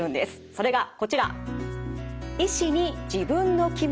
それがこちら。